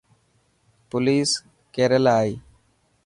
پوليس ڪير يلا آي.